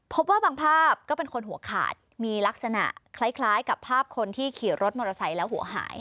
พบว่าบางภาพก็เป็นคนหัวขาดมีลักษณะคล้ายกับภาพคนที่ขี่รถมอเตอร์ไซค์แล้วหัวหาย